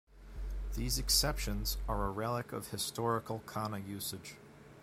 These exceptions are a relic of historical kana usage.